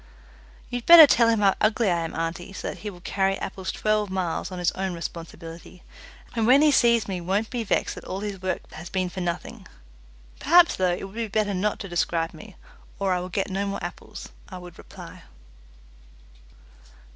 "You'd better tell him how ugly I am, auntie, so that he will carry apples twelve miles on his own responsibility, and when he sees me won't be vexed that all his work has been for nothing. Perhaps, though, it would be better not to describe me, or I will get no more apples," I would reply.